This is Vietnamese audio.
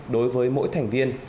đối với mỗi thành viên